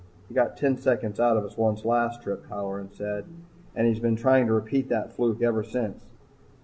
"He got ten seconds out of us once last trip," Halloran said. "And he's been trying to repeat that fluke ever since.